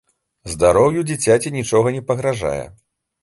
Здароўю дзіцяці нічога не пагражае.